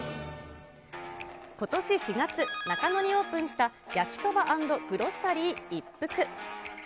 ことし４月、中野にオープンしたヤキソバ＆グロッサリー一服。